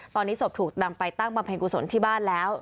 ตอนนี้ศพถูกนำไปตั้งบำเพ็ญกุศลที่บ้านแล้ว